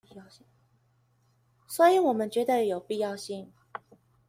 所以我們覺得有必要性